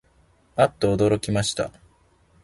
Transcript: あっとおどろきました